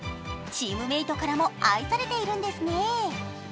チームメートからも愛されているんですね。